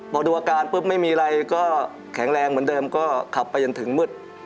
พอดูอาการปุ๊บไม่มีอะไรก็แข็งแรงเหมือนเดิมก็ขับไปจนถึงมืด